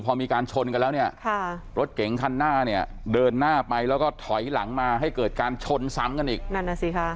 พอมีการชนกันแล้วรถเก่งคันน่าเดินหน้าไปแล้วก็ถอยหลังมาให้เกิดการชนสั้นกันอีก